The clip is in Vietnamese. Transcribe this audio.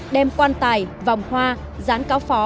đem quan tài vòng hoa rán cáo phó